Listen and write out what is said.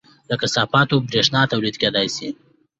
له کثافاتو بریښنا تولید کیدی شي